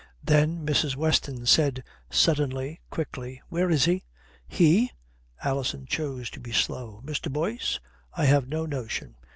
Then Mrs. Weston said suddenly, quickly, "Where is he?" "He?" Alison chose to be slow. "Mr. Boyce? I have no notion."